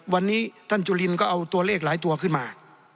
วันนี้ท่านจุลินก็เอาตัวเลขหลายตัวขึ้นมา